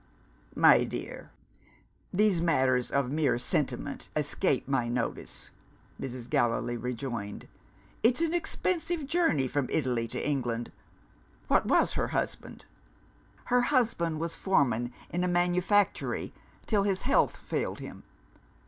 "My dear, these matters of mere sentiment escape my notice," Mrs. Gallilee rejoined. "It's an expensive journey from Italy to England. What was her husband?" "Her husband was foreman in a manufactory till his health failed him."